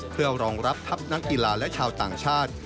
เพื่อรองรับทัพนักกีฬาและชาวต่างชาติ